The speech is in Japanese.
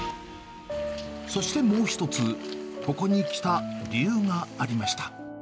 そしてもう一つ、ここに来た理由がありました。